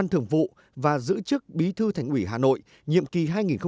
ban thưởng vụ và giữ chức bí thư thành ủy hà nội nhiệm kỳ hai nghìn một mươi năm hai nghìn hai mươi